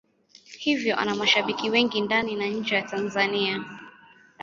Hivyo ana mashabiki wengi ndani na nje ya Tanzania.